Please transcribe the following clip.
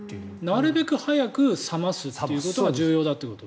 なるべく早く冷ますっていうことが重要だっていうこと。